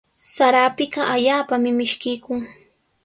Sara apiqa allaapami mishkiykun.